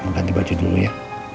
mau ganti baju dulu ya